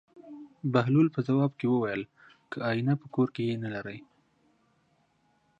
بهلول په ځواب کې وویل: که اېنه په کور کې نه لرې.